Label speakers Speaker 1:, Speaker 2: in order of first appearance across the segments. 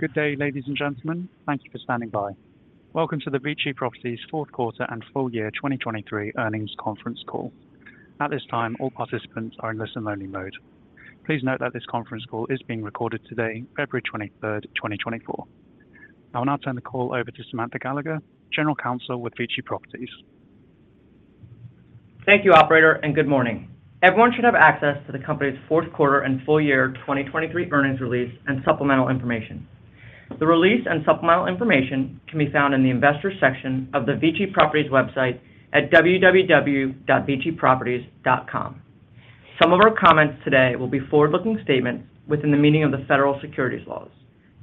Speaker 1: Good day, ladies and gentlemen. Thank you for standing by. Welcome to the VICI Properties' fourth quarter and full-year 2023 earnings conference call. At this time, all participants are in listen-only mode. Please note that this conference call is being recorded today, February 23rd, 2024. I will now turn the call over to Samantha Gallagher, General Counsel with VICI Properties.
Speaker 2: Thank you, Operator, and good morning. Everyone should have access to the company's fourth quarter and full-year 2023 earnings release and supplemental information. The release and supplemental information can be found in the Investors section of the VICI Properties website at www.viciproperties.com. Some of our comments today will be forward-looking statements within the meaning of the federal securities laws.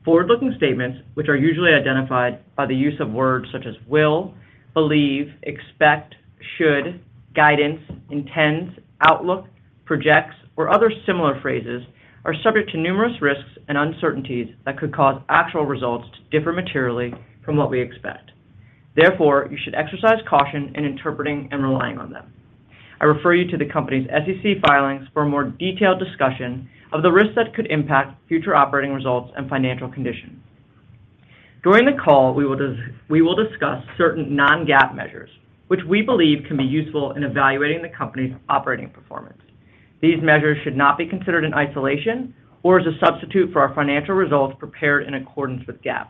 Speaker 2: Forward-looking statements, which are usually identified by the use of words such as will, believe, expect, should, guidance, intends, outlook, projects, or other similar phrases, are subject to numerous risks and uncertainties that could cause actual results to differ materially from what we expect. Therefore, you should exercise caution in interpreting and relying on them. I refer you to the company's SEC filings for a more detailed discussion of the risks that could impact future operating results and financial conditions. During the call, we will discuss certain non-GAAP measures, which we believe can be useful in evaluating the company's operating performance. These measures should not be considered in isolation or as a substitute for our financial results prepared in accordance with GAAP.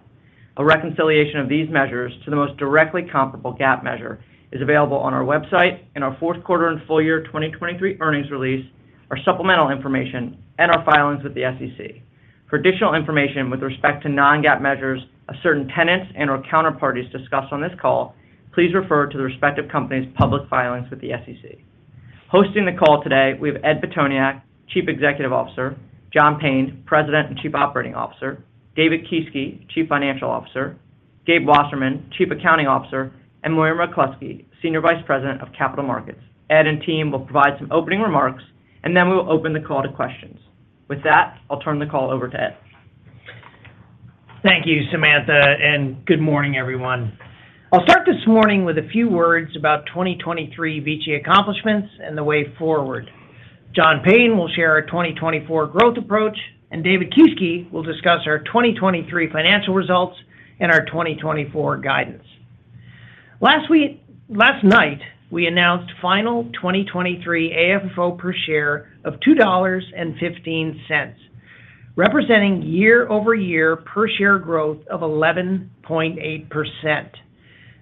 Speaker 2: A reconciliation of these measures to the most directly comparable GAAP measure is available on our website in our fourth quarter and full-year 2023 earnings release, our supplemental information, and our filings with the SEC. For additional information with respect to non-GAAP measures a certain tenants and/or counterparties discuss on this call, please refer to the respective companies' public filings with the SEC. Hosting the call today, we have Ed Pitoniak, Chief Executive Officer, John Payne, President and Chief Operating Officer, David Kieske, Chief Financial Officer, Gabe Wasserman, Chief Accounting Officer, and Miriam Roklowski, Senior Vice President of Capital Markets. Ed and team will provide some opening remarks, and then we will open the call to questions. With that, I'll turn the call over to Ed.
Speaker 3: Thank you, Samantha, and good morning, everyone. I'll start this morning with a few words about 2023 VICI accomplishments and the way forward. John Payne will share our 2024 growth approach, and David Kieske will discuss our 2023 financial results and our 2024 guidance. Last night, we announced final 2023 AFFO per share of $2.15, representing year-over-year per share growth of 11.8%.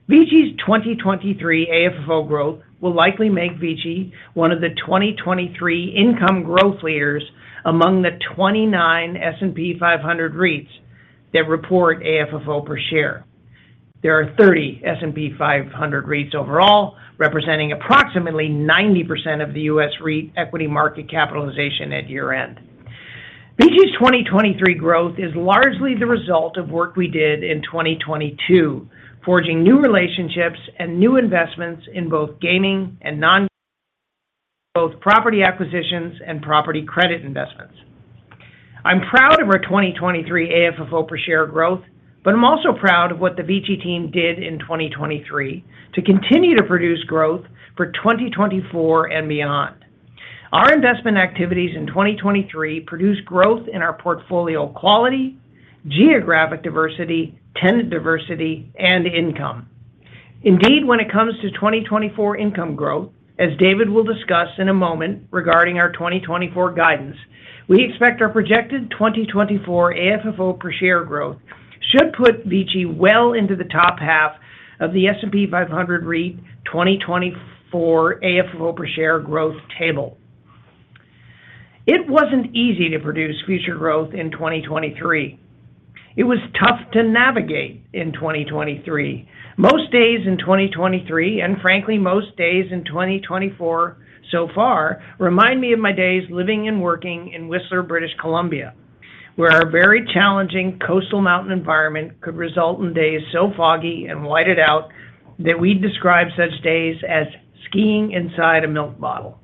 Speaker 3: VICI's 2023 AFFO growth will likely make VICI one of the 2023 income growth leaders among the 29 S&P 500 REITs that report AFFO per share. There are 30 S&P 500 REITs overall, representing approximately 90% of the U.S. REIT equity market capitalization at year-end. VICI's 2023 growth is largely the result of work we did in 2022, forging new relationships and new investments in both gaining and non-gaining both property acquisitions and property credit investments. I'm proud of our 2023 AFFO per share growth, but I'm also proud of what the VICI team did in 2023 to continue to produce growth for 2024 and beyond. Our investment activities in 2023 produce growth in our portfolio quality, geographic diversity, tenant diversity, and income. Indeed, when it comes to 2024 income growth, as David will discuss in a moment regarding our 2024 guidance, we expect our projected 2024 AFFO per share growth should put VICI well into the top half of the S&P 500 REIT 2024 AFFO per share growth table. It wasn't easy to produce future growth in 2023. It was tough to navigate in 2023. Most days in 2023, and frankly, most days in 2024 so far, remind me of my days living and working in Whistler, British Columbia, where our very challenging coastal mountain environment could result in days so foggy and whited out that we'd describe such days as skiing inside a milk bottle.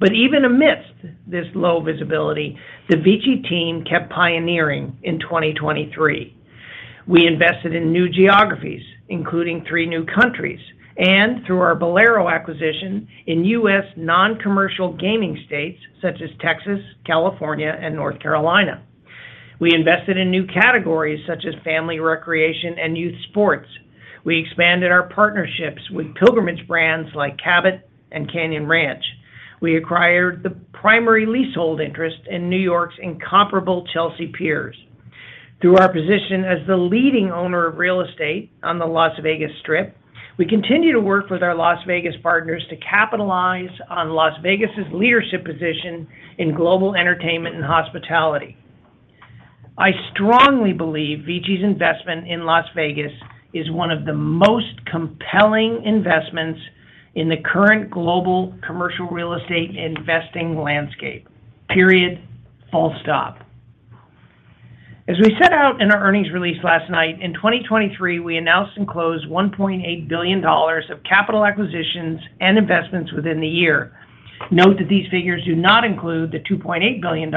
Speaker 3: But even amidst this low visibility, the VICI team kept pioneering in 2023. We invested in new geographies, including three new countries, and through our Bowlero acquisition in U.S. non-commercial gaming states such as Texas, California, and North Carolina. We invested in new categories such as family recreation and youth sports. We expanded our partnerships with pilgrimage brands like Cabot and Canyon Ranch. We acquired the primary leasehold interest in New York's incomparable Chelsea Piers. Through our position as the leading owner of real estate on the Las Vegas Strip, we continue to work with our Las Vegas partners to capitalize on Las Vegas's leadership position in global entertainment and hospitality. I strongly believe VICI's investment in Las Vegas is one of the most compelling investments in the current global commercial real estate investing landscape. As we set out in our earnings release last night, in 2023, we announced and closed $1.8 billion of capital acquisitions and investments within the year. Note that these figures do not include the $2.8 billion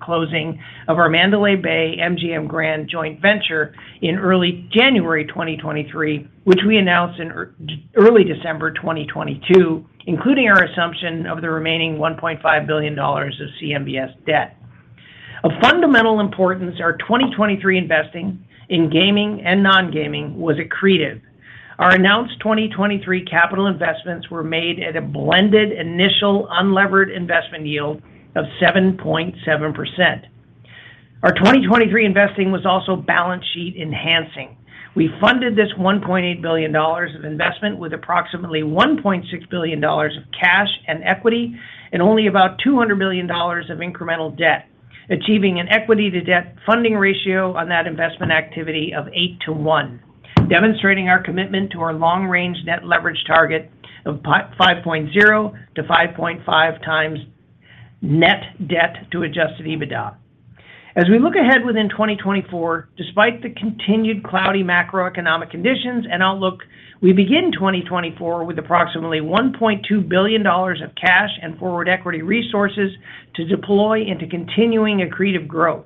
Speaker 3: closing of our Mandalay Bay MGM Grand joint venture in early January 2023, which we announced in early December 2022, including our assumption of the remaining $1.5 billion of CMBS debt. Of fundamental importance, our 2023 investing in gaming and non-gaming was accretive. Our announced 2023 capital investments were made at a blended initial unlevered investment yield of 7.7%. Our 2023 investing was also balance sheet enhancing. We funded this $1.8 billion of investment with approximately $1.6 billion of cash and equity and only about $200 billion of incremental debt, achieving an equity-to-debt funding ratio on that investment activity of 8:1, demonstrating our commitment to our long-range net leverage target of 5.0-5.5 times net debt to adjusted EBITDA. As we look ahead within 2024, despite the continued cloudy macroeconomic conditions and outlook, we begin 2024 with approximately $1.2 billion of cash and forward equity resources to deploy into continuing accretive growth.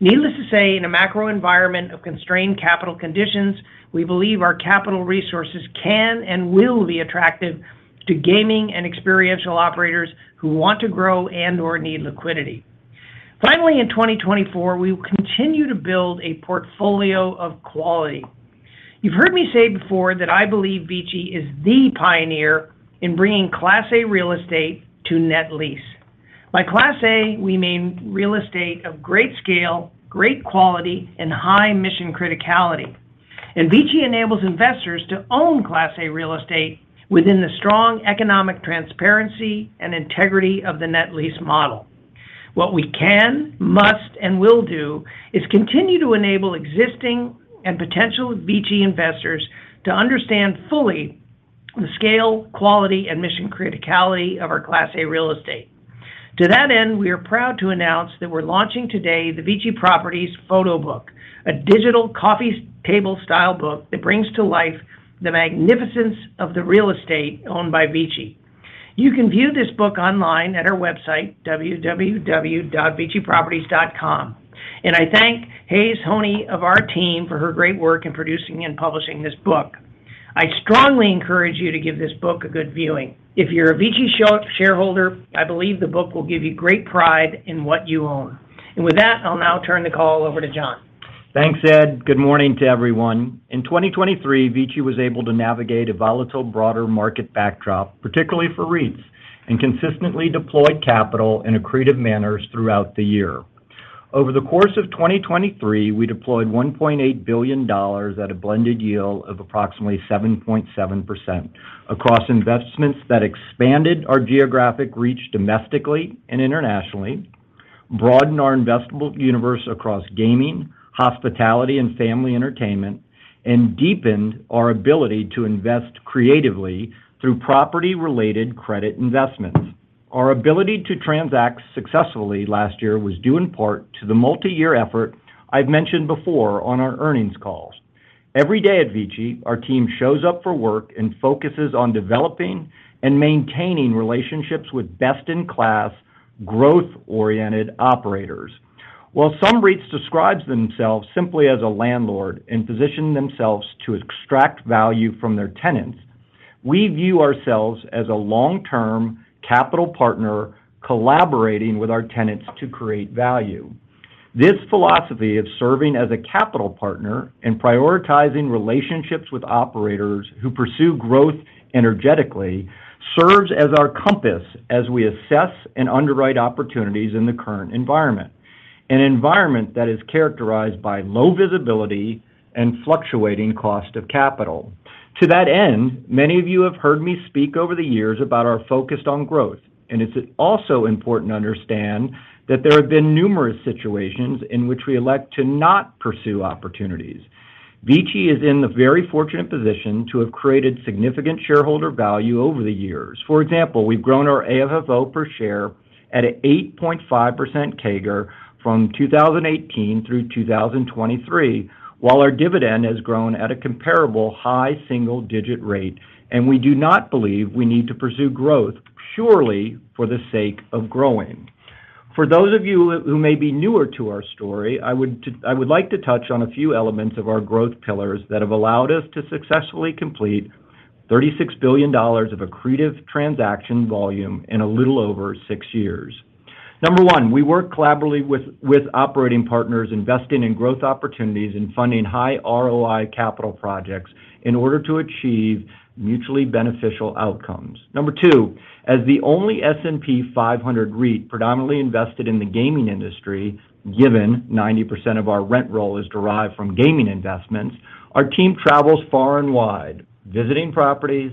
Speaker 3: Needless to say, in a macro environment of constrained capital conditions, we believe our capital resources can and will be attractive to gaming and experiential operators who want to grow and/or need liquidity. Finally, in 2024, we will continue to build a portfolio of quality. You've heard me say before that I believe VICI is the pioneer in bringing Class A real estate to net lease. By Class A, we mean real estate of great scale, great quality, and high mission criticality. And VICI enables investors to own Class A real estate within the strong economic transparency and integrity of the net lease model. What we can, must, and will do is continue to enable existing and potential VICI investors to understand fully the scale, quality, and mission criticality of our Class A real estate. To that end, we are proud to announce that we're launching today the VICI Properties Photo Book, a digital coffee table-style book that brings to life the magnificence of the real estate owned by VICI. You can view this book online at our website, www.viciproperties.com. I thank Hays Honey of our team for her great work in producing and publishing this book. I strongly encourage you to give this book a good viewing. If you're a VICI shareholder, I believe the book will give you great pride in what you own. And with that, I'll now turn the call over to John.
Speaker 4: Thanks, Ed. Good morning to everyone. In 2023, VICI was able to navigate a volatile broader market backdrop, particularly for REITs, and consistently deployed capital in accretive manners throughout the year. Over the course of 2023, we deployed $1.8 billion at a blended yield of approximately 7.7% across investments that expanded our geographic reach domestically and internationally, broadened our investable universe across gaming, hospitality, and family entertainment, and deepened our ability to invest creatively through property-related credit investments. Our ability to transact successfully last year was due in part to the multi-year effort I've mentioned before on our earnings calls. Every day at VICI, our team shows up for work and focuses on developing and maintaining relationships with best-in-class, growth-oriented operators. While some REITs describe themselves simply as a landlord and position themselves to extract value from their tenants, we view ourselves as a long-term capital partner collaborating with our tenants to create value. This philosophy of serving as a capital partner and prioritizing relationships with operators who pursue growth energetically serves as our compass as we assess and underwrite opportunities in the current environment, an environment that is characterized by low visibility and fluctuating cost of capital. To that end, many of you have heard me speak over the years about our focus on growth, and it's also important to understand that there have been numerous situations in which we elect to not pursue opportunities. VICI is in the very fortunate position to have created significant shareholder value over the years. For example, we've grown our AFFO per share at an 8.5% CAGR from 2018 through 2023, while our dividend has grown at a comparable high single-digit rate, and we do not believe we need to pursue growth purely for the sake of growing. For those of you who may be newer to our story, I would like to touch on a few elements of our growth pillars that have allowed us to successfully complete $36 billion of accretive transaction volume in a little over six years. Number one, we work collaboratively with operating partners, investing in growth opportunities and funding high ROI capital projects in order to achieve mutually beneficial outcomes. Number 2, as the only S&P 500 REIT predominantly invested in the gaming industry, given 90% of our rent roll is derived from gaming investments, our team travels far and wide, visiting properties,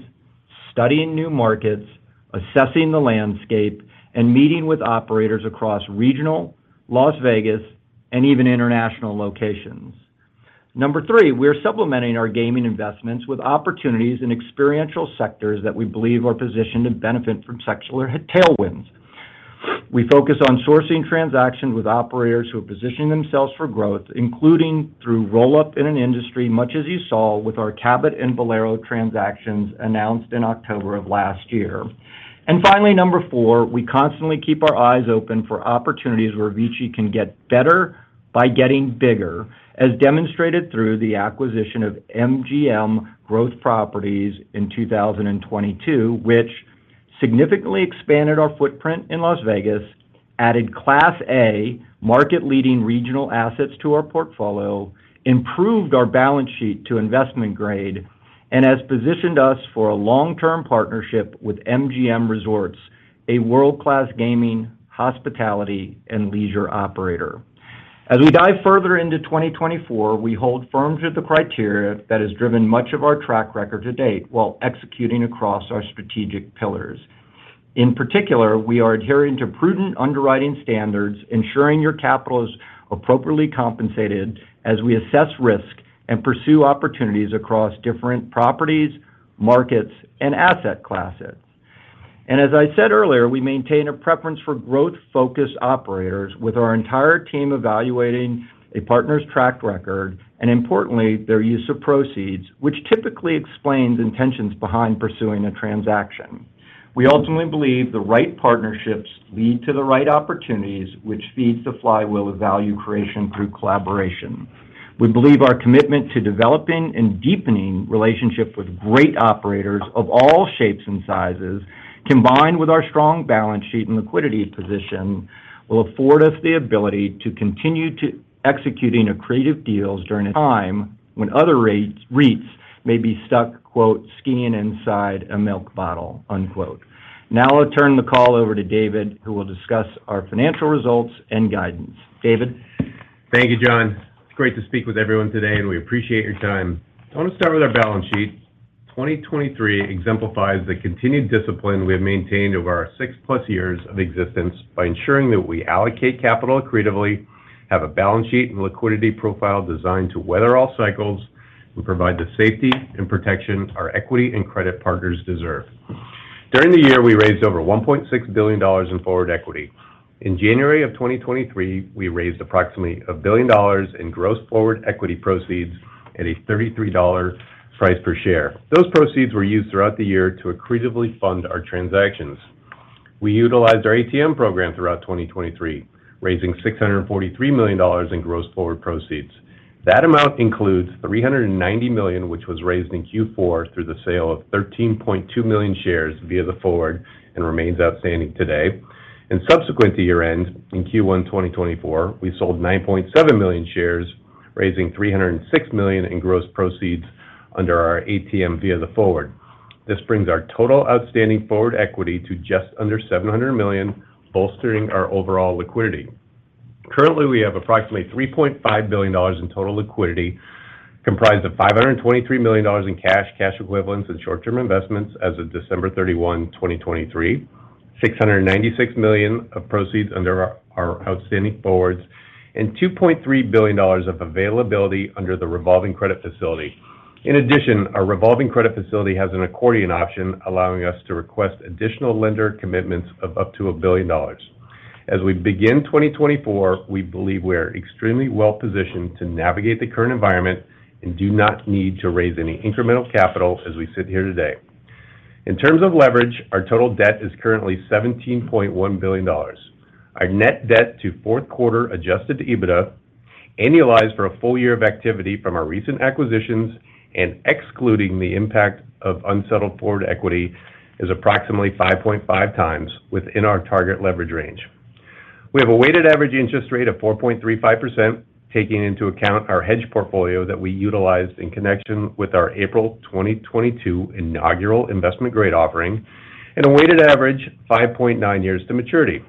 Speaker 4: studying new markets, assessing the landscape, and meeting with operators across regional, Las Vegas, and even international locations. Number 3, we're supplementing our gaming investments with opportunities in experiential sectors that we believe are positioned to benefit from secular tailwinds. We focus on sourcing transactions with operators who are positioning themselves for growth, including through roll-up in an industry, much as you saw with our Cabot and Bowlero transactions announced in October of last year. Finally, number four, we constantly keep our eyes open for opportunities where VICI can get better by getting bigger, as demonstrated through the acquisition of MGM Growth Properties in 2022, which significantly expanded our footprint in Las Vegas, added Class A market-leading regional assets to our portfolio, improved our balance sheet to investment grade, and has positioned us for a long-term partnership with MGM Resorts, a world-class gaming, hospitality, and leisure operator. As we dive further into 2024, we hold firm to the criteria that has driven much of our track record to date while executing across our strategic pillars. In particular, we are adhering to prudent underwriting standards, ensuring your capital is appropriately compensated as we assess risk and pursue opportunities across different properties, markets, and asset classes. And as I said earlier, we maintain a preference for growth-focused operators with our entire team evaluating a partner's track record and, importantly, their use of proceeds, which typically explains intentions behind pursuing a transaction. We ultimately believe the right partnerships lead to the right opportunities, which feeds the flywheel of value creation through collaboration. We believe our commitment to developing and deepening relationships with great operators of all shapes and sizes, combined with our strong balance sheet and liquidity position, will afford us the ability to continue executing accretive deals during a time when other REITs may be stuck "skiing inside a milk bottle." Now I'll turn the call over to David, who will discuss our financial results and guidance. David.
Speaker 5: Thank you, John. It's great to speak with everyone today, and we appreciate your time. I want to start with our balance sheet. 2023 exemplifies the continued discipline we have maintained over our 6+ years of existence by ensuring that we allocate capital accretively, have a balance sheet and liquidity profile designed to weather all cycles, and provide the safety and protection our equity and credit partners deserve. During the year, we raised over $1.6 billion in forward equity. In January of 2023, we raised approximately $1 billion in gross forward equity proceeds at a $33 price per share. Those proceeds were used throughout the year to accretively fund our transactions. We utilized our ATM program throughout 2023, raising $643 million in gross forward proceeds. That amount includes $390 million, which was raised in Q4 through the sale of 13.2 million shares via the forward and remains outstanding today. Subsequent to year-end, in Q1 2024, we sold 9.7 million shares, raising $306 million in gross proceeds under our ATM via the forward. This brings our total outstanding forward equity to just under $700 million, bolstering our overall liquidity. Currently, we have approximately $3.5 billion in total liquidity, comprised of $523 million in cash, cash equivalents, and short-term investments as of December 31, 2023, $696 million of proceeds under our outstanding forwards, and $2.3 billion of availability under the revolving credit facility. In addition, our revolving credit facility has an accordion option, allowing us to request additional lender commitments of up to $1 billion. As we begin 2024, we believe we are extremely well-positioned to navigate the current environment and do not need to raise any incremental capital as we sit here today. In terms of leverage, our total debt is currently $17.1 billion. Our net debt to fourth quarter adjusted EBITDA, annualized for a full year of activity from our recent acquisitions and excluding the impact of unsettled forward equity, is approximately 5.5 times within our target leverage range. We have a weighted average interest rate of 4.35%, taking into account our hedge portfolio that we utilized in connection with our April 2022 inaugural investment grade offering, and a weighted average 5.9 years to maturity.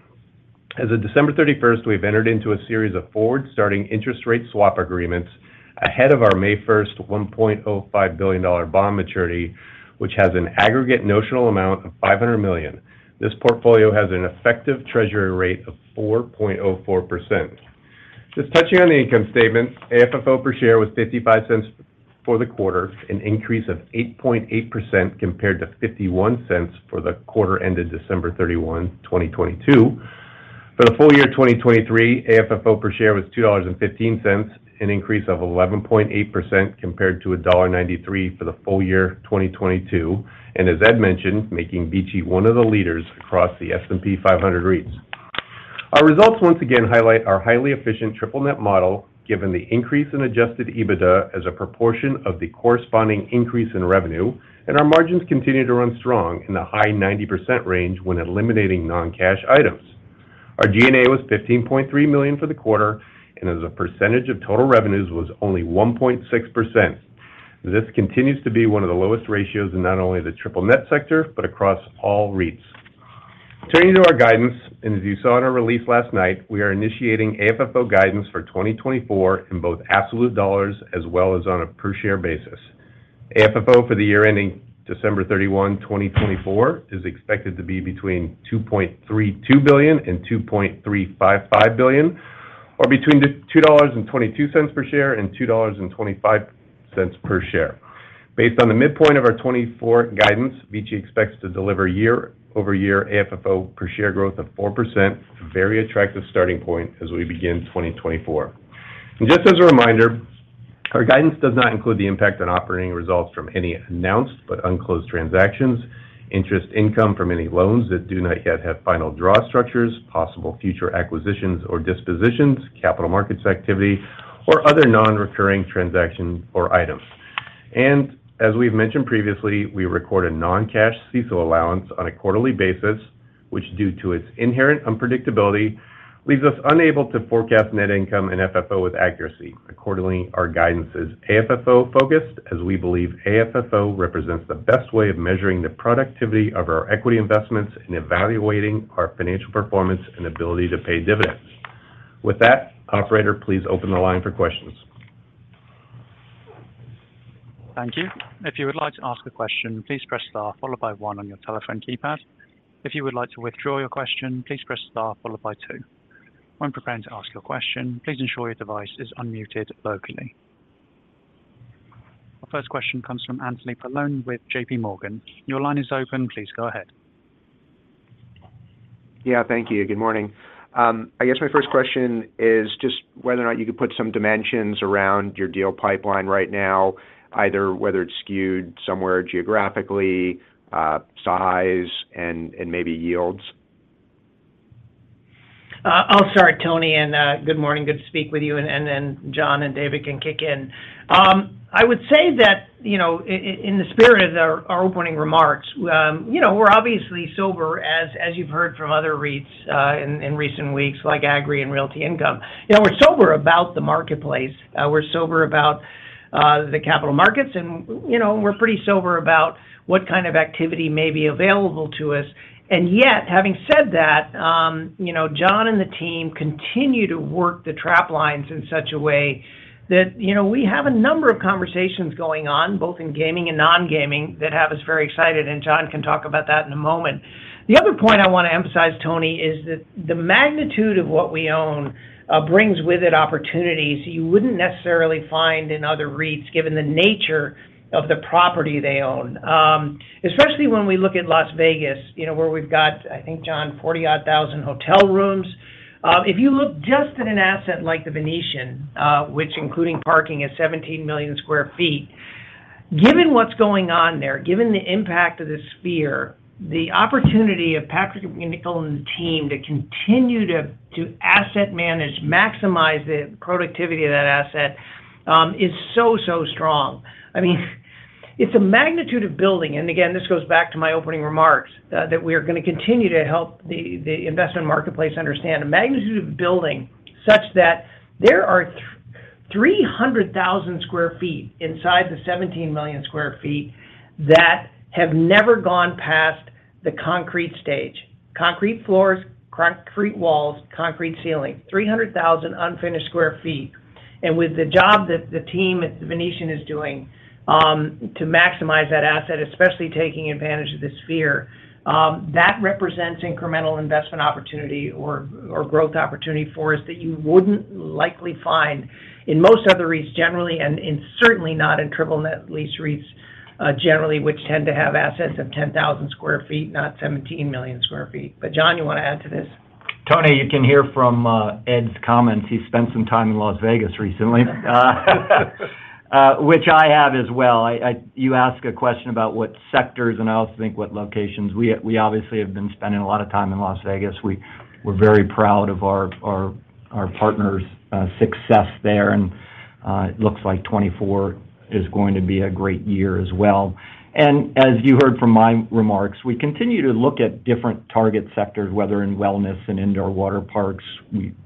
Speaker 5: As of December 31st, we have entered into a series of forward-starting interest rate swap agreements ahead of our May 1st $1.05 billion bond maturity, which has an aggregate notional amount of $500 million. This portfolio has an effective treasury rate of 4.04%. Just touching on the income statements, AFFO per share was $0.55 for the quarter, an increase of 8.8% compared to $0.51 for the quarter ended December 31, 2022. For the full year 2023, AFFO per share was $2.15, an increase of 11.8% compared to $1.93 for the full year 2022, and as Ed mentioned, making VICI one of the leaders across the S&P 500 REITs. Our results once again highlight our highly efficient triple net model, given the increase in adjusted EBITDA as a proportion of the corresponding increase in revenue, and our margins continue to run strong in the high 90% range when eliminating non-cash items. Our G&A was $15.3 million for the quarter, and as a percentage of total revenues, was only 1.6%. This continues to be one of the lowest ratios in not only the triple net sector but across all REITs. Turning to our guidance, and as you saw in our release last night, we are initiating AFFO guidance for 2024 in both absolute dollars as well as on a per-share basis. AFFO for the year ending December 31, 2024, is expected to be between $2.32 billion-$2.355 billion, or between $2.22-$2.25 per share. Based on the midpoint of our 2024 guidance, VICI expects to deliver year-over-year AFFO per share growth of 4%, a very attractive starting point as we begin 2024. Just as a reminder, our guidance does not include the impact on operating results from any announced but unclosed transactions, interest income from any loans that do not yet have final draw structures, possible future acquisitions or dispositions, capital markets activity, or other non-recurring transactions or items. As we've mentioned previously, we record a non-cash CECL allowance on a quarterly basis, which, due to its inherent unpredictability, leaves us unable to forecast net income and FFO with accuracy. Accordingly, our guidance is AFFO-focused, as we believe AFFO represents the best way of measuring the productivity of our equity investments and evaluating our financial performance and ability to pay dividends. With that, operator, please open the line for questions.
Speaker 1: Thank you. If you would like to ask a question, please press star followed by one on your telephone keypad. If you would like to withdraw your question, please press star followed by two. When preparing to ask your question, please ensure your device is unmuted locally. Our first question comes from Anthony Paolone with J.P. Morgan. Your line is open. Please go ahead.
Speaker 6: Yeah, thank you. Good morning. I guess my first question is just whether or not you could put some dimensions around your deal pipeline right now, either whether it's skewed somewhere geographically, size, and maybe yields?
Speaker 3: I'll start, Tony, and good morning. Good to speak with you, and then John and David can kick in. I would say that in the spirit of our opening remarks, we're obviously sober, as you've heard from other REITs in recent weeks like Agree Realty and Realty Income. We're sober about the marketplace. We're sober about the capital markets, and we're pretty sober about what kind of activity may be available to us. And yet, having said that, John and the team continue to work the trap lines in such a way that we have a number of conversations going on, both in gaming and non-gaming, that have us very excited, and John can talk about that in a moment. The other point I want to emphasize, Tony, is that the magnitude of what we own brings with it opportunities you wouldn't necessarily find in other REITs, given the nature of the property they own, especially when we look at Las Vegas, where we've got, I think, John, 40,000-odd hotel rooms. If you look just at an asset like the Venetian, which, including parking, is 17 million sq ft, given what's going on there, given the impact of this Sphere, the opportunity of Patrick Nichols and the team to continue to asset manage, maximize the productivity of that asset is so, so strong. I mean, it's a magnitude of building, and again, this goes back to my opening remarks, that we are going to continue to help the investment marketplace understand a magnitude of building such that there are 300,000 sq ft inside the 17 million sq ft that have never gone past the concrete stage: concrete floors, concrete walls, concrete ceiling, 300,000 sq ft unfinished. And with the job that the team at the Venetian is doing to maximize that asset, especially taking advantage of this sphere, that represents incremental investment opportunity or growth opportunity for us that you wouldn't likely find in most other REITs generally and certainly not in triple net lease REITs generally, which tend to have assets of 10,000 sq ft, not 17 million sq ft. But John, you want to add to this?
Speaker 4: Tony, you can hear from Ed's comments. He spent some time in Las Vegas recently, which I have as well. You asked a question about what sectors and I also think what locations. We obviously have been spending a lot of time in Las Vegas. We're very proud of our partner's success there, and it looks like 2024 is going to be a great year as well. As you heard from my remarks, we continue to look at different target sectors, whether in wellness and indoor water parks,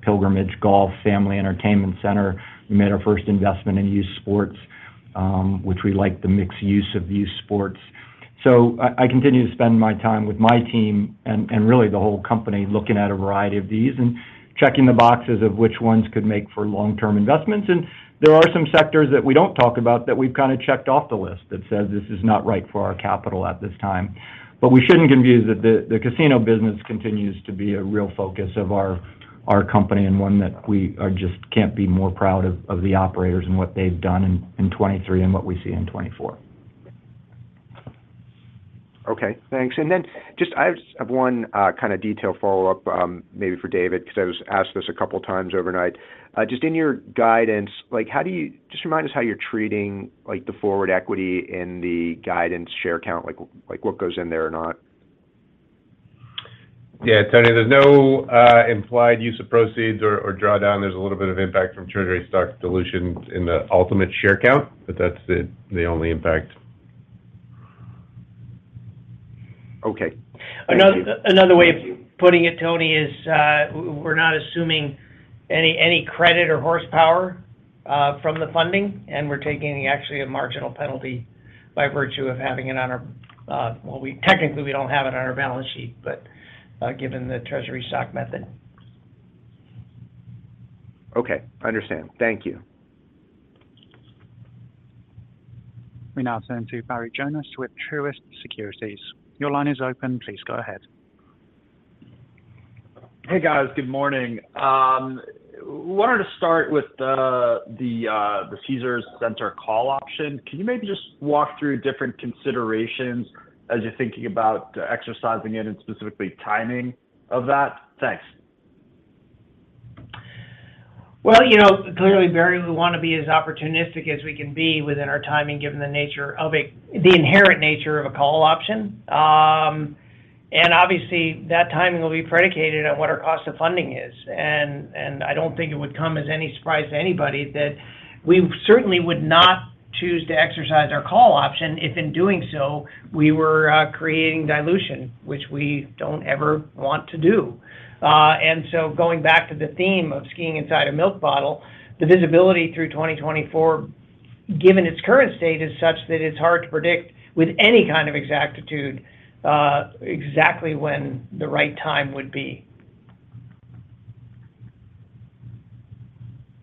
Speaker 4: pilgrimage, golf, family entertainment center. We made our first investment in youth sports, which we like the mixed use of youth sports. I continue to spend my time with my team and really the whole company looking at a variety of these and checking the boxes of which ones could make for long-term investments. There are some sectors that we don't talk about that we've kind of checked off the list that says this is not right for our capital at this time. But we shouldn't confuse that the casino business continues to be a real focus of our company and one that we just can't be more proud of the operators and what they've done in 2023 and what we see in 2024.
Speaker 6: Okay. Thanks. And then just I have one kind of detail follow-up maybe for David because I was asked this a couple of times overnight. Just in your guidance, just remind us how you're treating the forward equity in the guidance share count, what goes in there or not.
Speaker 5: Yeah, Tony, there's no implied use of proceeds or drawdown. There's a little bit of impact from treasury stock dilution in the ultimate share count, but that's the only impact.
Speaker 6: Okay.
Speaker 3: Another way of putting it, Tony, is we're not assuming any credit or horsepower from the funding, and we're taking actually a marginal penalty by virtue of having it on our books. Well, technically, we don't have it on our balance sheet, but given the treasury stock method.
Speaker 6: Okay. Understand. Thank you.
Speaker 1: Renata and Barry Jonas with Truist Securities. Your line is open. Please go ahead.
Speaker 7: Hey, guys. Good morning. I wanted to start with the Caesars Center call option. Can you maybe just walk through different considerations as you're thinking about exercising it and specifically timing of that? Thanks.
Speaker 3: Well, clearly, Barry, we want to be as opportunistic as we can be within our timing, given the inherent nature of a call option. Obviously, that timing will be predicated on what our cost of funding is. I don't think it would come as any surprise to anybody that we certainly would not choose to exercise our call option if, in doing so, we were creating dilution, which we don't ever want to do. So going back to the theme of skiing inside a milk bottle, the visibility through 2024, given its current state, is such that it's hard to predict with any kind of exactitude exactly when the right time would be.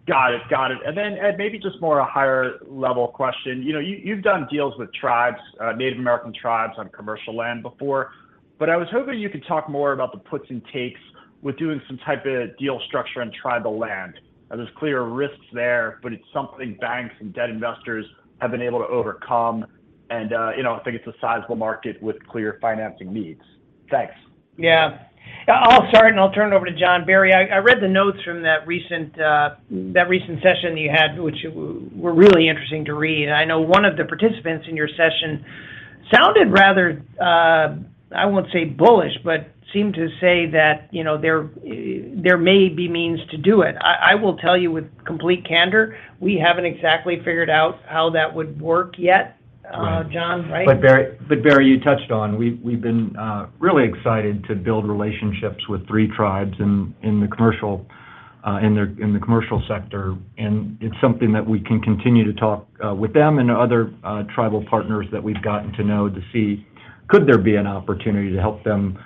Speaker 7: Got it. Got it. And then, Ed, maybe just more a higher-level question. You've done deals with Native American tribes on commercial land before, but I was hoping you could talk more about the puts and takes with doing some type of deal structure on tribal land. There's clear risks there, but it's something banks and debt investors have been able to overcome, and I think it's a sizable market with clear financing needs. Thanks.
Speaker 3: Yeah. I'll start, and I'll turn it over to John. Barry, I read the notes from that recent session that you had, which were really interesting to read. I know one of the participants in your session sounded rather, I won't say bullish, but seemed to say that there may be means to do it. I will tell you with complete candor, we haven't exactly figured out how that would work yet, John, right?
Speaker 4: But Barry, you touched on, we've been really excited to build relationships with three tribes in the commercial sector, and it's something that we can continue to talk with them and other tribal partners that we've gotten to know to see, could there be an opportunity to help them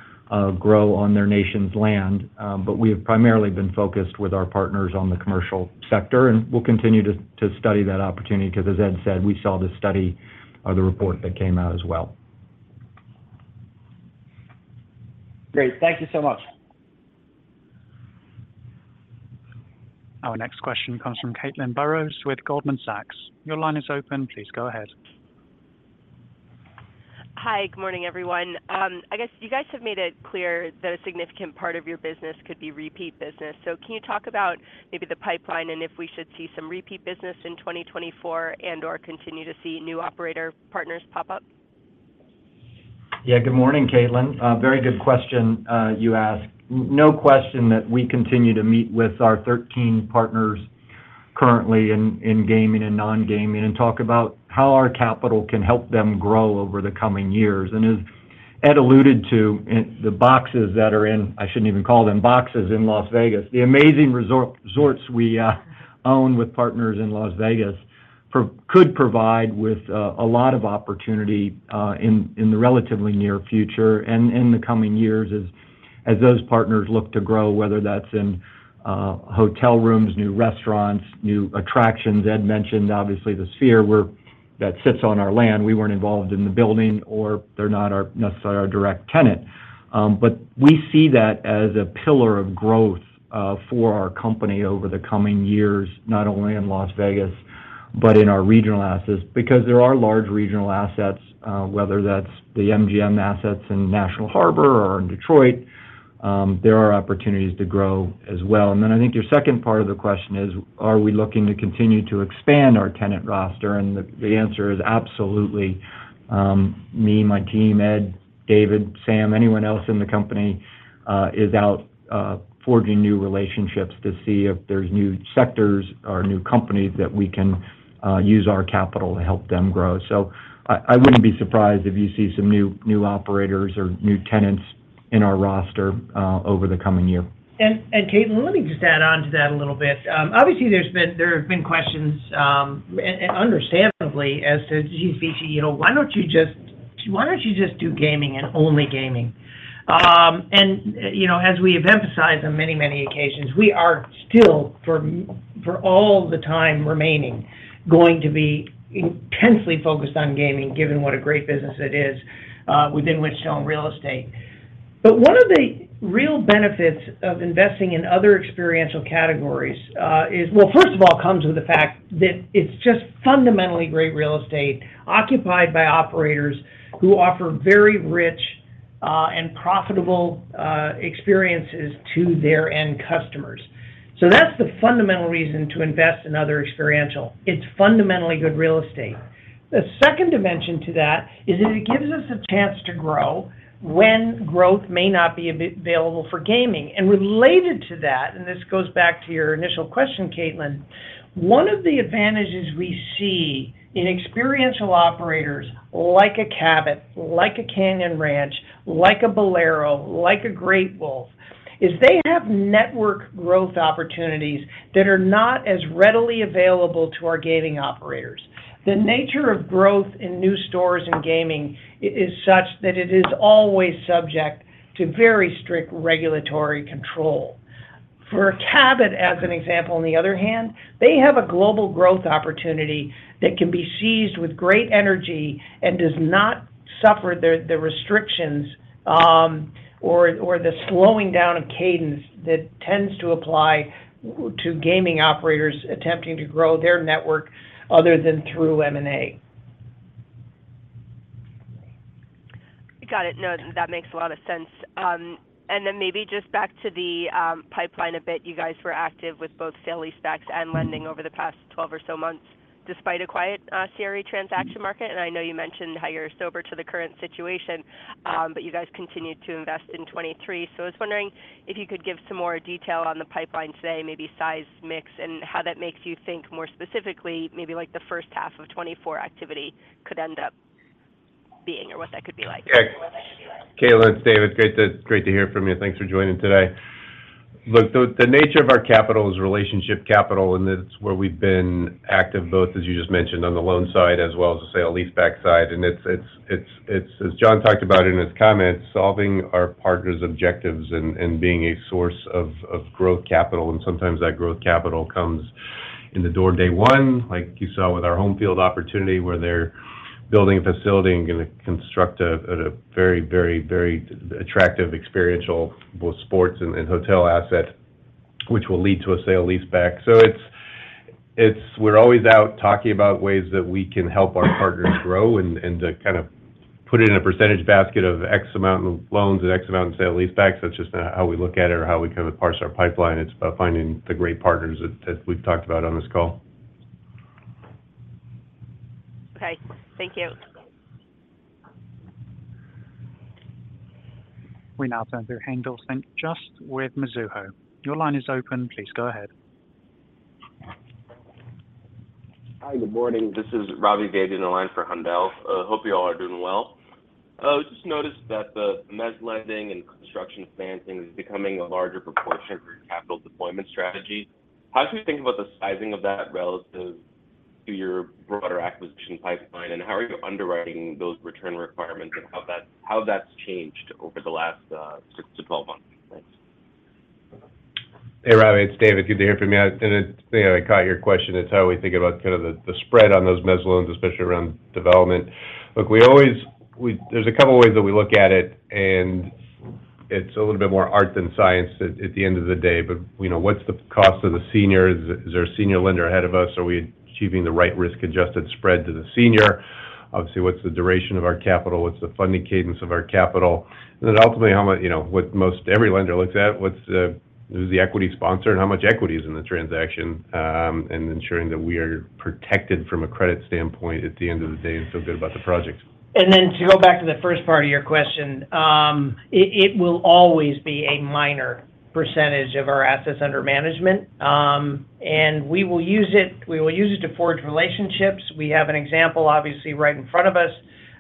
Speaker 4: grow on their nation's land? But we have primarily been focused with our partners on the commercial sector, and we'll continue to study that opportunity because, as Ed said, we saw the study or the report that came out as well.
Speaker 7: Great. Thank you so much.
Speaker 1: Our next question comes from Caitlin Burrows with Goldman Sachs. Your line is open. Please go ahead.
Speaker 8: Hi. Good morning, everyone. I guess you guys have made it clear that a significant part of your business could be repeat business. So can you talk about maybe the pipeline and if we should see some repeat business in 2024 and/or continue to see new operator partners pop up?
Speaker 4: Yeah. Good morning, Caitlin. Very good question you ask. No question that we continue to meet with our 13 partners currently in gaming and non-gaming and talk about how our capital can help them grow over the coming years. And as Ed alluded to, the boxes that are in, I shouldn't even call them boxes, in Las Vegas. The amazing resorts we own with partners in Las Vegas could provide with a lot of opportunity in the relatively near future and in the coming years as those partners look to grow, whether that's in hotel rooms, new restaurants, new attractions. Ed mentioned, obviously, the sphere that sits on our land. We weren't involved in the building, or they're not necessarily our direct tenant. But we see that as a pillar of growth for our company over the coming years, not only in Las Vegas but in our regional assets because there are large regional assets, whether that's the MGM assets in National Harbor or in Detroit. There are opportunities to grow as well. And then I think your second part of the question is, are we looking to continue to expand our tenant roster? And the answer is absolutely. Me, my team, Ed, David, Sam, anyone else in the company is out forging new relationships to see if there's new sectors or new companies that we can use our capital to help them grow. So I wouldn't be surprised if you see some new operators or new tenants in our roster over the coming year.
Speaker 3: Caitlin, let me just add on to that a little bit. Obviously, there have been questions, understandably, as to, "Geez, VICI, why don't you just why don't you just do gaming and only gaming?" As we have emphasized on many, many occasions, we are still, for all the time remaining, going to be intensely focused on gaming, given what a great business it is within VICI's real estate. But one of the real benefits of investing in other experiential categories is, well, first of all, comes with the fact that it's just fundamentally great real estate occupied by operators who offer very rich and profitable experiences to their end customers. So that's the fundamental reason to invest in other experiential. It's fundamentally good real estate. The second dimension to that is that it gives us a chance to grow when growth may not be available for gaming. Related to that, and this goes back to your initial question, Caitlin, one of the advantages we see in experiential operators like a Cabot, like a Canyon Ranch, like a Bowlero, like a Great Wolf, is they have network growth opportunities that are not as readily available to our gaming operators. The nature of growth in new stores and gaming is such that it is always subject to very strict regulatory control. For a Cabot, as an example, on the other hand, they have a global growth opportunity that can be seized with great energy and does not suffer the restrictions or the slowing down of cadence that tends to apply to gaming operators attempting to grow their network other than through M&A.
Speaker 8: Got it. No, that makes a lot of sense. And then maybe just back to the pipeline a bit. You guys were active with both sale-leasebacks and lending over the past 12 or so months despite a quiet CRE transaction market. And I know you mentioned how you're sober to the current situation, but you guys continue to invest in 2023. So I was wondering if you could give some more detail on the pipeline today, maybe size, mix, and how that makes you think more specifically, maybe the first half of 2024 activity could end up being or what that could be like.
Speaker 5: Yeah. Caitlin, it's David. Great to hear from you. Thanks for joining today. Look, the nature of our capital is relationship capital, and that's where we've been active, both, as you just mentioned, on the loan side as well as the sale lease back side. And as John talked about in his comments, solving our partners' objectives and being a source of growth capital. And sometimes that growth capital comes in the door day one, like you saw with our Homefield opportunity where they're building a facility and going to construct a very, very, very attractive experiential, both sports and hotel asset, which will lead to a sale lease back. So we're always out talking about ways that we can help our partners grow and to kind of put it in a percentage basket of X amount in loans and X amount in sale lease backs. That's just how we look at it or how we kind of parse our pipeline. It's about finding the great partners that we've talked about on this call.
Speaker 8: Okay. Thank you.
Speaker 1: Renata and Haendel St. Juste with Mizuho. Your line is open. Please go ahead.
Speaker 9: Hi. Good morning. This is Robbie Yawger on the line for Haendel. Hope you all are doing well. I just noticed that the MEZ lending and construction financing is becoming a larger proportion of your capital deployment strategy. How should we think about the sizing of that relative to your broader acquisition pipeline, and how are you underwriting those return requirements, and how that's changed over the last 6-12 months? Thanks. Hey, Robbie. It's David. Good to hear from you. I caught your question. It's how we think about kind of the spread on those MEZ loans, especially around development. Look, there's a couple of ways that we look at it, and it's a little bit more art than science at the end of the day. But what's the cost of the senior? Is there a senior lender ahead of us?
Speaker 5: Are we achieving the right risk-adjusted spread to the senior? Obviously, what's the duration of our capital? What's the funding cadence of our capital? And then ultimately, what every lender looks at, who's the equity sponsor, and how much equity is in the transaction and ensuring that we are protected from a credit standpoint at the end of the day and feel good about the project?
Speaker 3: And then to go back to the first part of your question, it will always be a minor percentage of our assets under management, and we will use it to forge relationships. We have an example, obviously, right in front of us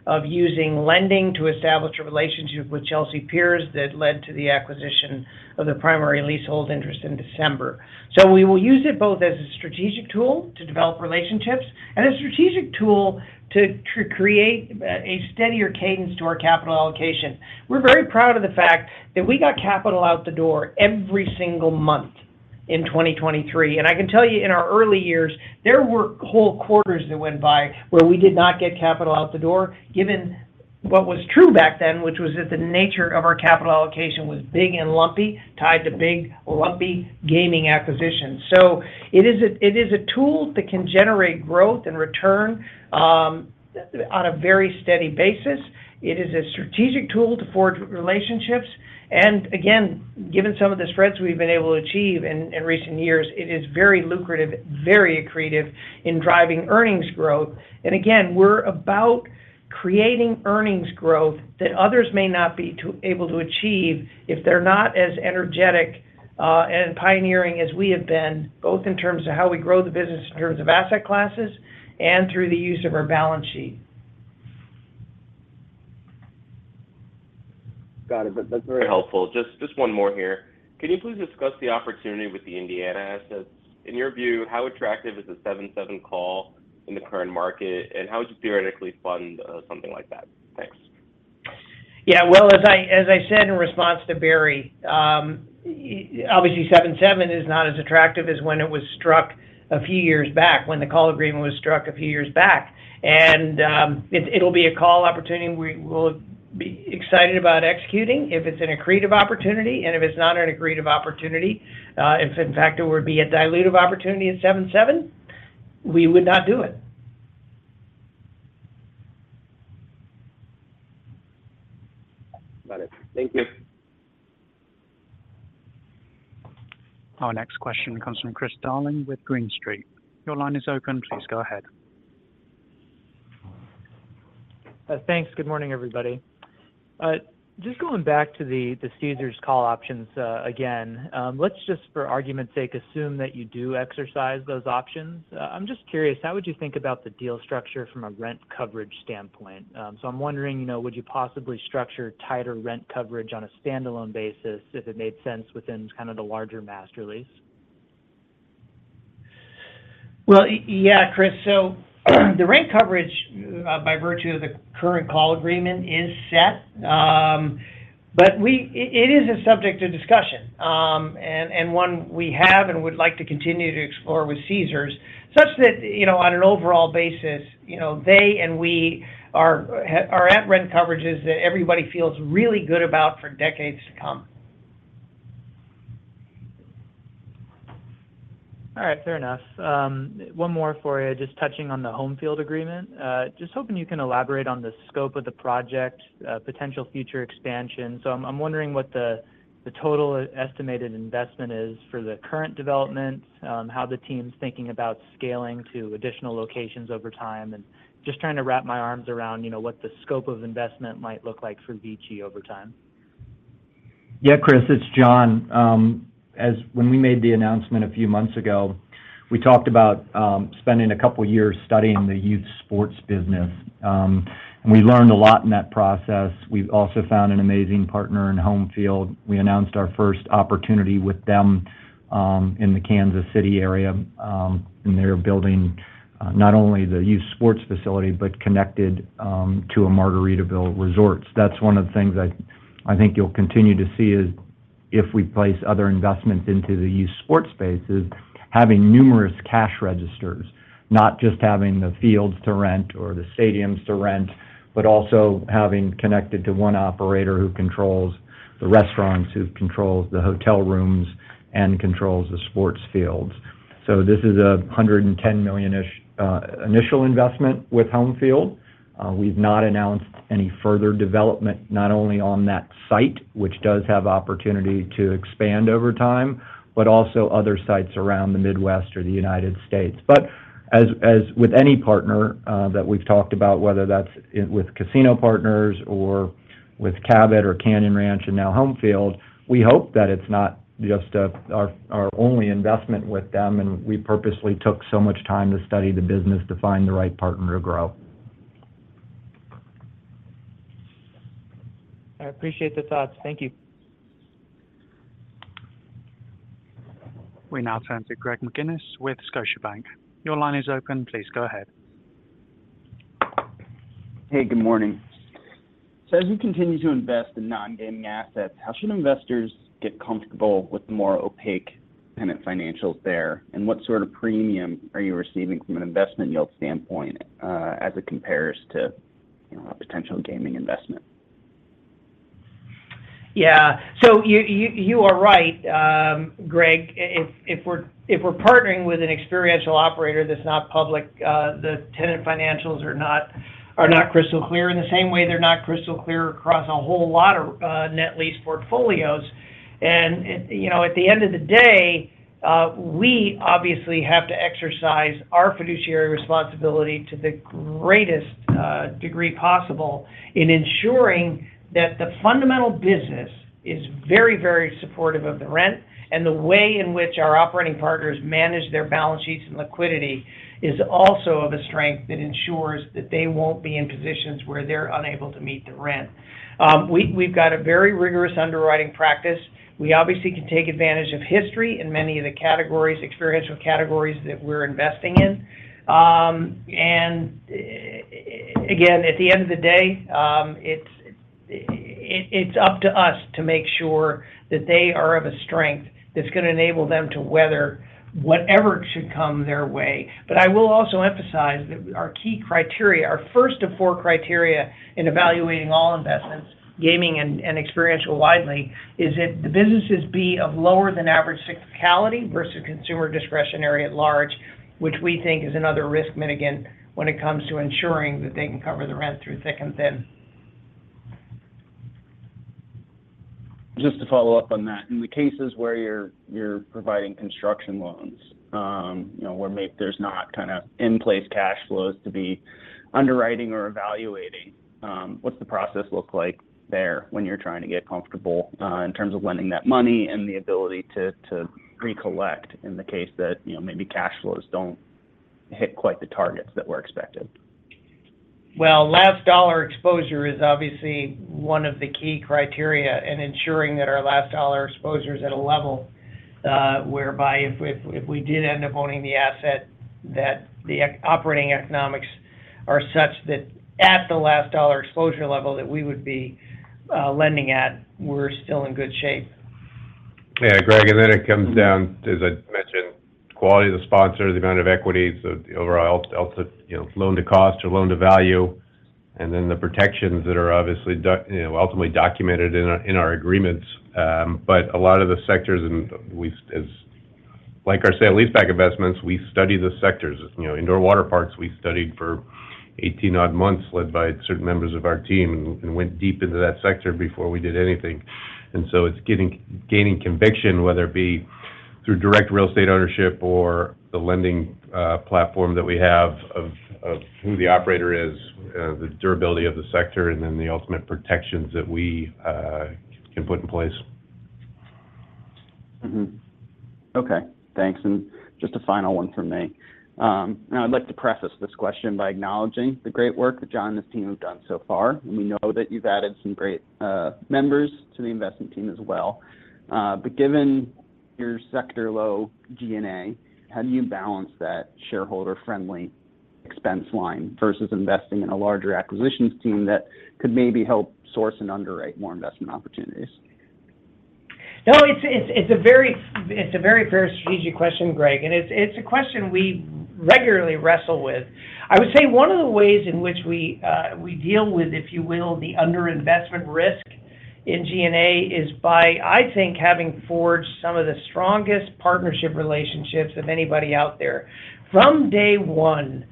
Speaker 3: of using lending to establish a relationship with Chelsea Piers that led to the acquisition of the primary leasehold interest in December. So we will use it both as a strategic tool to develop relationships and a strategic tool to create a steadier cadence to our capital allocation. We're very proud of the fact that we got capital out the door every single month in 2023. I can tell you, in our early years, there were whole quarters that went by where we did not get capital out the door, given what was true back then, which was that the nature of our capital allocation was big and lumpy, tied to big, lumpy gaming acquisitions. So it is a tool that can generate growth and return on a very steady basis. It is a strategic tool to forge relationships. And again, given some of the spreads we've been able to achieve in recent years, it is very lucrative, very accretive in driving earnings growth. And again, we're about creating earnings growth that others may not be able to achieve if they're not as energetic and pioneering as we have been, both in terms of how we grow the business, in terms of asset classes, and through the use of our balance sheet.
Speaker 9: Got it. That's very helpful. Just one more here. Can you please discuss the opportunity with the Indiana assets? In your view, how attractive is the 7.7 call in the current market, and how would you theoretically fund something like that? Thanks.
Speaker 3: Yeah. Well, as I said in response to Barry, obviously, 7.7 is not as attractive as when it was struck a few years back, when the call agreement was struck a few years back. It'll be a call opportunity we will be excited about executing if it's an accretive opportunity, and if it's not an accretive opportunity, if, in fact, it would be a dilutive opportunity at 7.7, we would not do it.
Speaker 9: Got it. Thank you.
Speaker 1: Our next question comes from Chris Darling with Green Street. Your line is open. Please go ahead. Thanks. Good morning, everybody. Just going back to the Caesars call options again, let's just, for argument's sake, assume that you do exercise those options. I'm just curious, how would you think about the deal structure from a rent coverage standpoint? So I'm wondering, would you possibly structure tighter rent coverage on a standalone basis if it made sense within kind of the larger master lease?
Speaker 10: Well, yeah, Chris. So the rent coverage, by virtue of the current call agreement, is set. But it is a subject of discussion and one we have and would like to continue to explore with Caesars such that, on an overall basis, they and we are at rent coverages that everybody feels really good about for decades to come. All right. Fair enough. One more for you, just touching on the Homefield agreement. Just hoping you can elaborate on the scope of the project, potential future expansion. So I'm wondering what the total estimated investment is for the current development, how the team's thinking about scaling to additional locations over time, and just trying to wrap my arms around what the scope of investment might look like for VICI over time.
Speaker 4: Yeah, Chris. It's John. When we made the announcement a few months ago, we talked about spending a couple of years studying the youth sports business, and we learned a lot in that process. We've also found an amazing partner in Homefield. We announced our first opportunity with them in the Kansas City area, and they're building not only the youth sports facility but connected to a Margaritaville resort. So that's one of the things I think you'll continue to see is if we place other investments into the youth sports space is having numerous cash registers, not just having the fields to rent or the stadiums to rent, but also having connected to one operator who controls the restaurants, who controls the hotel rooms, and controls the sports fields. So this is a $110 million-ish initial investment with Homefield. We've not announced any further development, not only on that site, which does have opportunity to expand over time, but also other sites around the Midwest or the United States. But with any partner that we've talked about, whether that's with casino partners or with Cabot or Canyon Ranch and now Homefield, we hope that it's not just our only investment with them, and we purposely took so much time to study the business to find the right partner to grow.
Speaker 11: I appreciate the thoughts. Thank you.
Speaker 1: Renata and Greg McGinniss with Scotiabank. Your line is open. Please go ahead.
Speaker 12: Hey. Good morning. As you continue to invest in non-gaming assets, how should investors get comfortable with more opaque tenant financials there, and what sort of premium are you receiving from an investment yield standpoint as it compares to a potential gaming investment?
Speaker 3: Yeah. So you are right, Greg. If we're partnering with an experiential operator that's not public, the tenant financials are not crystal clear. In the same way, they're not crystal clear across a whole lot of net lease portfolios. And at the end of the day, we obviously have to exercise our fiduciary responsibility to the greatest degree possible in ensuring that the fundamental business is very, very supportive of the rent, and the way in which our operating partners manage their balance sheets and liquidity is also of a strength that ensures that they won't be in positions where they're unable to meet the rent. We've got a very rigorous underwriting practice. We obviously can take advantage of history in many of the experiential categories that we're investing in. Again, at the end of the day, it's up to us to make sure that they are of a strength that's going to enable them to weather whatever should come their way. But I will also emphasize that our key criteria, our first of four criteria in evaluating all investments, gaming and experiential widely, is that the businesses be of lower-than-average cyclicality versus consumer discretionary at large, which we think is another risk mitigant when it comes to ensuring that they can cover the rent through thick and thin.
Speaker 12: Just to follow up on that, in the cases where you're providing construction loans, where there's not kind of in-place cash flows to be underwriting or evaluating, what's the process look like there when you're trying to get comfortable in terms of lending that money and the ability to recollect in the case that maybe cash flows don't hit quite the targets that were expected?
Speaker 3: Well, last-dollar exposure is obviously one of the key criteria, and ensuring that our last-dollar exposure is at a level whereby if we did end up owning the asset, that the operating economics are such that at the last-dollar exposure level that we would be lending at, we're still in good shape.
Speaker 5: Yeah, Greg. And then it comes down, as I mentioned, to the quality of the sponsors, the amount of equity, so the overall loan-to-cost or loan-to-value, and then the protections that are obviously ultimately documented in our agreements. But a lot of the sectors, and like our sale-leaseback investments, we study the sectors. Indoor water parks, we studied for 18-odd months, led by certain members of our team, and went deep into that sector before we did anything. And so it's gaining conviction, whether it be through direct real estate ownership or the lending platform that we have, of who the operator is, the durability of the sector, and then the ultimate protections that we can put in place.
Speaker 12: Okay. Thanks. And just a final one from me. Now, I'd like to preface this question by acknowledging the great work that John and his team have done so far. And we know that you've added some great members to the investment team as well. But given your sector-low G&A, how do you balance that shareholder-friendly expense line versus investing in a larger acquisitions team that could maybe help source and underwrite more investment opportunities?
Speaker 3: No, it's a very fair strategic question, Greg. It's a question we regularly wrestle with. I would say one of the ways in which we deal with, if you will, the underinvestment risk in G&A is by, I think, having forged some of the strongest partnership relationships of anybody out there. From day one,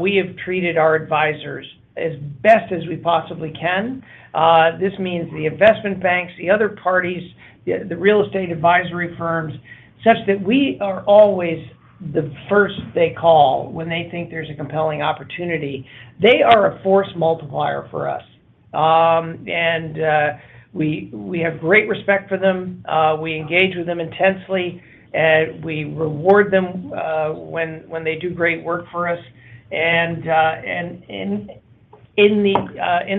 Speaker 3: we have treated our advisors as best as we possibly can. This means the investment banks, the other parties, the real estate advisory firms, such that we are always the first they call when they think there's a compelling opportunity. They are a force multiplier for us. We have great respect for them. We engage with them intensely, and we reward them when they do great work for us. In the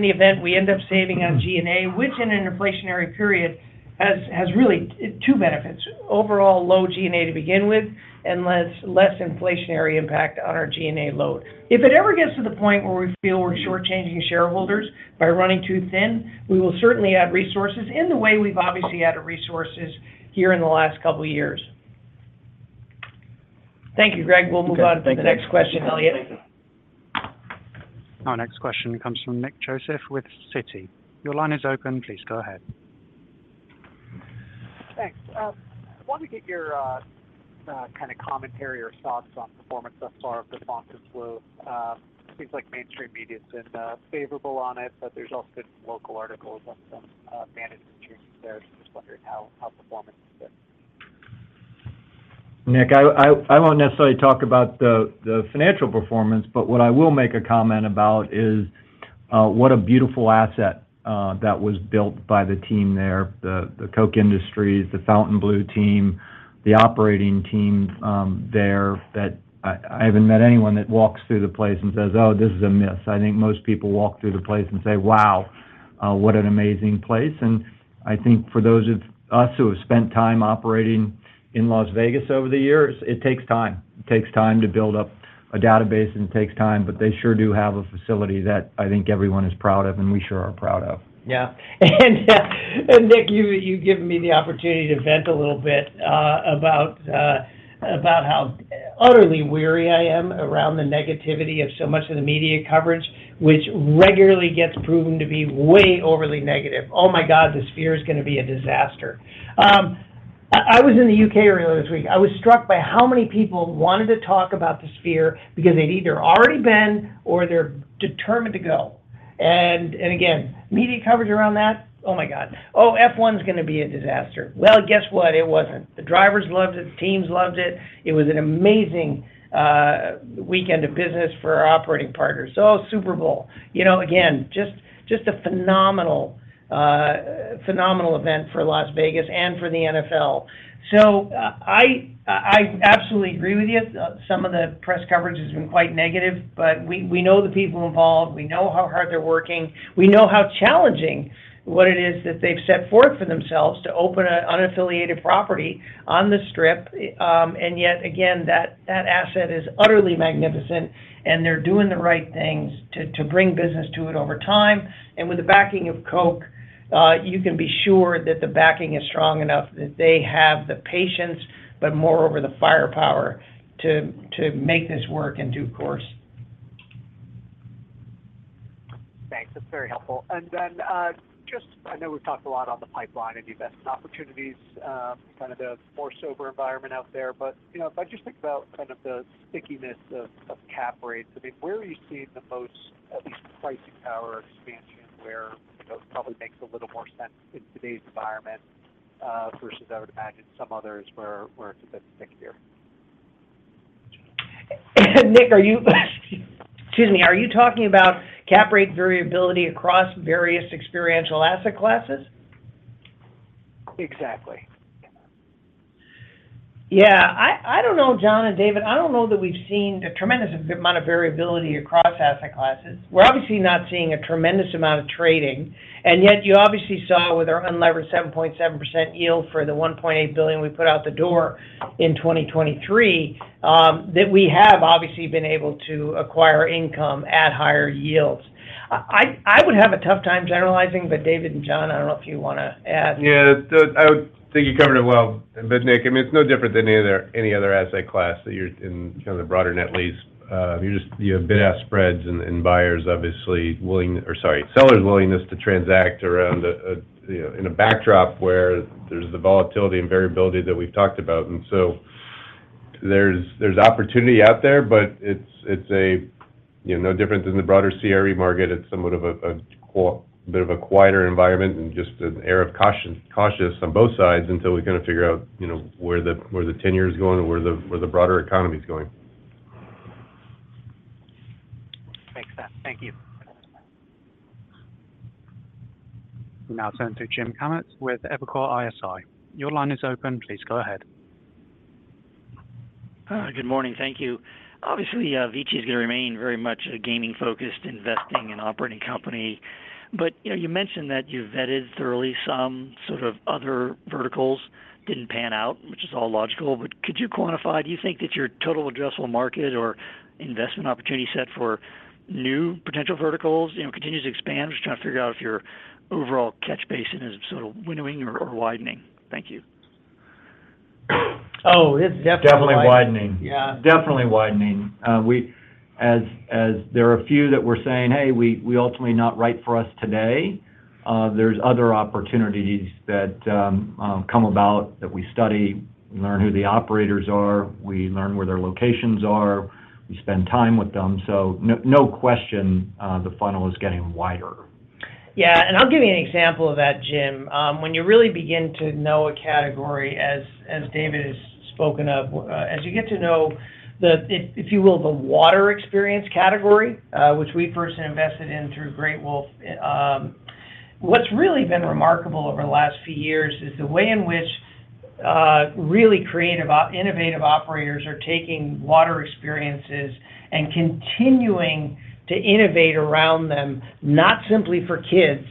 Speaker 3: event, we end up saving on G&A, which in an inflationary period has really two benefits: overall low G&A to begin with and less inflationary impact on our G&A load. If it ever gets to the point where we feel we're shortchanging shareholders by running too thin, we will certainly add resources in the way we've obviously added resources here in the last couple of years. Thank you, Greg. We'll move on to the next question, Elliot.
Speaker 1: Our next question comes from Nick Joseph with Citi. Your line is open. Please go ahead.
Speaker 13: Thanks. I wanted to get your kind of commentary or thoughts on performance thus far of the Fontainebleau. It seems like mainstream media's been favorable on it, but there's also been local articles on some management changes there. Just wondering how performance has been?
Speaker 4: Nick, I won't necessarily talk about the financial performance, but what I will make a comment about is what a beautiful asset that was built by the team there, the Koch Industries, the Fontainebleau team, the operating team there. I haven't met anyone that walks through the place and says, "Oh, this is a miss." I think most people walk through the place and say, "Wow, what an amazing place." And I think for those of us who have spent time operating in Las Vegas over the years, it takes time. It takes time to build up a database, and it takes time, but they sure do have a facility that I think everyone is proud of, and we sure are proud of.
Speaker 3: Yeah. And Nick, you've given me the opportunity to vent a little bit about how utterly weary I am around the negativity of so much of the media coverage, which regularly gets proven to be way overly negative. "Oh my God, the Sphere is going to be a disaster." I was in the U.K. earlier this week. I was struck by how many people wanted to talk about the Sphere because they'd either already been or they're determined to go. And again, media coverage around that, "Oh my God. Oh, F1's going to be a disaster." Well, guess what? It wasn't. The drivers loved it. The teams loved it. It was an amazing weekend of business for our operating partners. "Oh, Super Bowl." Again, just a phenomenal event for Las Vegas and for the NFL. So I absolutely agree with you. Some of the press coverage has been quite negative, but we know the people involved. We know how hard they're working. We know how challenging what it is that they've set forth for themselves to open an unaffiliated property on the Strip. And yet, again, that asset is utterly magnificent, and they're doing the right things to bring business to it over time. And with the backing of Koch, you can be sure that the backing is strong enough that they have the patience but, moreover, the firepower to make this work and, of course.
Speaker 13: Thanks. That's very helpful. And then just I know we've talked a lot on the pipeline and investment opportunities, kind of the more sober environment out there. But if I just think about kind of the stickiness of cap rates, I mean, where are you seeing the most, at least pricing power expansion, where it probably makes a little more sense in today's environment versus, I would imagine, some others where it's a bit stickier?
Speaker 3: Nick, excuse me. Are you talking about cap rate variability across various experiential asset classes?
Speaker 13: Exactly.
Speaker 3: Yeah. I don't know, John and David. I don't know that we've seen a tremendous amount of variability across asset classes. We're obviously not seeing a tremendous amount of trading. And yet, you obviously saw with our unlevered 7.7% yield for the $1.8 billion we put out the door in 2023 that we have obviously been able to acquire income at higher yields. I would have a tough time generalizing, but David and John, I don't know if you want to add.
Speaker 5: Yeah. I think you covered it well. But Nick, I mean, it's no different than any other asset class that you're in kind of the broader net lease. You have bid-ask spreads and buyers, obviously, willing or sorry, sellers' willingness to transact around in a backdrop where there's the volatility and variability that we've talked about. And so there's opportunity out there, but it's no different than the broader CRE market. It's somewhat of a bit of a quieter environment and just an air of cautiousness on both sides until we kind of figure out where the 10-year is going or where the broader economy's going. Makes sense. Thank you.
Speaker 1: Renata and then to Jim Kammert with Evercore ISI. Your line is open. Please go ahead.
Speaker 14: Good morning. Thank you. Obviously, VICI is going to remain very much a gaming-focused investing and operating company. But you mentioned that you vetted thoroughly some sort of other verticals. Didn't pan out, which is all logical. But could you quantify do you think that your total addressable market or investment opportunity set for new potential verticals continues to expand? I'm just trying to figure out if your overall catch basin is sort of winnowing or widening. Thank you.
Speaker 3: Oh, it's definitely widening.
Speaker 4: Definitely widening. As there are a few that were saying, "Hey, we ultimately not right for us today," there's other opportunities that come about that we study. We learn who the operators are. We learn where their locations are. We spend time with them. So no question, the funnel is getting wider.
Speaker 3: Yeah. I'll give you an example of that, Jim. When you really begin to know a category, as David has spoken of, as you get to know, if you will, the water experience category, which we personally invested in through Great Wolf, what's really been remarkable over the last few years is the way in which really creative, innovative operators are taking water experiences and continuing to innovate around them, not simply for kids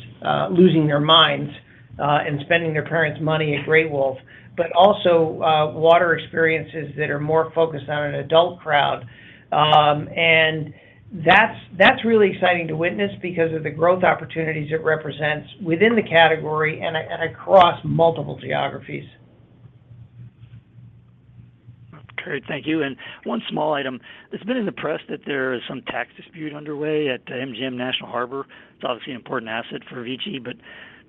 Speaker 3: losing their minds and spending their parents' money at Great Wolf, but also water experiences that are more focused on an adult crowd. That's really exciting to witness because of the growth opportunities it represents within the category and across multiple geographies.
Speaker 14: Great. Thank you. One small item. It's been in the press that there is some tax dispute underway at MGM National Harbor. It's obviously an important asset for VICI. But